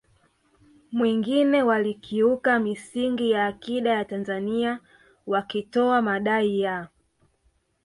mwingine walikiuka misingi ya akida ya Tanzania wakitoa madai ya